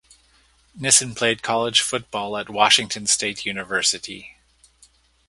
Nissen played college football at Washington State University.